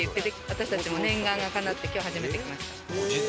私たちも念願が叶って今日初めて来ました。